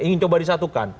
ingin coba disatukan